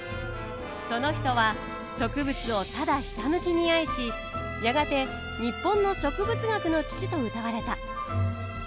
その人は植物をただひたむきに愛しやがて日本の植物学の父とうたわれた。